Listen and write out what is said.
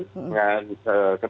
dengan pengalaman kami